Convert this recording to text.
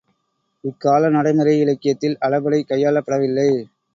இக்கால நடைமுறை இலக்கியத்தில் அளபெடை கையாளப்படவில்லை.